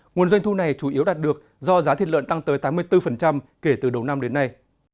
nguồn doanh thu này chủ yếu đạt được do giá thịt lợn tăng tới tám mươi bốn kể từ đầu năm đến nay